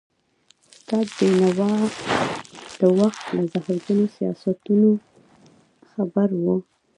استاد بينوا د وخت له زهرجنو سیاستونو خبر و.